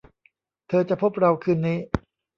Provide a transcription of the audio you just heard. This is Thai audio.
เธอจะพบเราคืนนี้